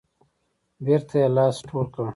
بیرته یې لاس ټول کړ.